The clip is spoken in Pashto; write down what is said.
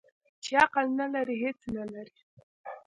ـ چې عقل نه لري هېڅ نه لري.